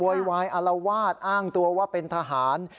โวยวายอลวาดอ้างตัวว่าเป็นทหาร